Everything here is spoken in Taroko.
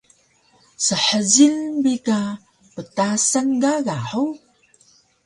Shjil bi ka ptasan gaga hug?